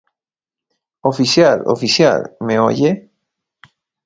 ¡ oficial! ¡ oficial! ¿ me oye?